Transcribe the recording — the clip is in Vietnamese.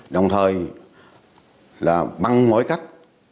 đồng thời là bằng mỗi cách